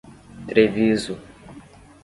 Treviso